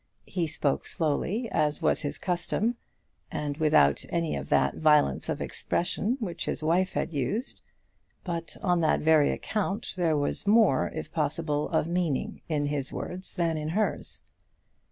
He spoke slowly, as was his custom, and without any of that violence of expression which his wife had used; but on that very account there was more, if possible, of meaning in his words than in hers.